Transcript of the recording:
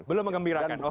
belum mengembirakan oke